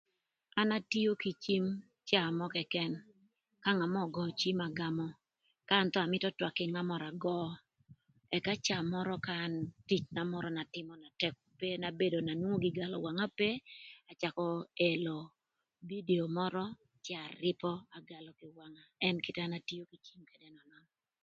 An atio kï cim caa mö këkën ka ngat mö ögöö cim agamö ka an thon amïtö twak kï ngat mörö agöö ëka caa mörö ka an ticna mörö na tëk ope acakö elo bidio mörö cë arïpö ën kite na an atio kï cim ködë ënön.